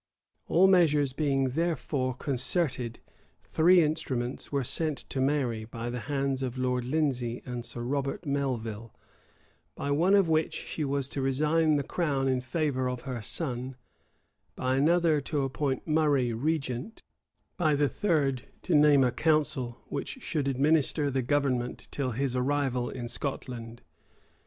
All measures being therefore concerted, three instruments were sent to Mary, by the hands of Lord Lindesey and Sir Robert Melvil; by one of which she was to resign the crown in favor of her son, by another to appoint Murray regent, by the third to name a council, which should administer the government till his arrival in Scotland.